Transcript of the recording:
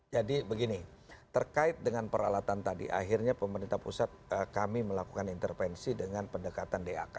begini terkait dengan peralatan tadi akhirnya pemerintah pusat kami melakukan intervensi dengan pendekatan dak